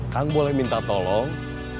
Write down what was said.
kang boleh minta tolong